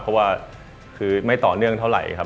เพราะว่าคือไม่ต่อเนื่องเท่าไหร่ครับ